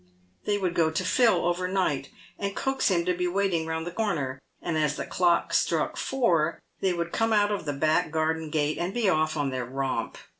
They would go to Phil overnight, and coax him to be waiting round the corner, and as the clock struck four they would come out of the back garden gate, and be off on the romp.